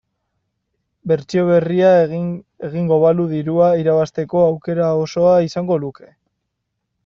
Bertsio berria egingo balu dirua irabazteko aukera osoa izango luke.